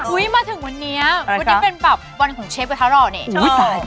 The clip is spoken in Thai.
มาถึงวันนี้วันนี้เป็นแบบวันของเชฟกระทะหล่อนี่